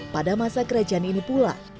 pada masa kerajaan ini pula